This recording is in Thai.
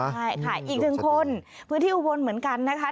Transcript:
ใช่ค่ะอีกหนึ่งคนพื้นที่อุบลเหมือนกันนะคะ